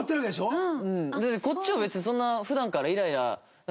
こっちは別にそんな。